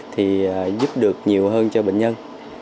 thì giúp được nhiều hơn cho bệnh nhân